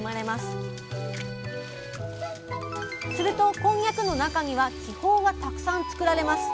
するとこんにゃくの中には気泡がたくさん作られます。